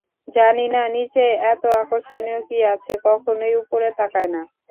জানি না নীচে এতো আকর্ষণীয় কি আছে, কখনোই উপরে তাকায় না!